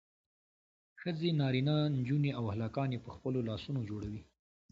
ښځې نارینه نجونې او هلکان یې په خپلو لاسونو جوړوي.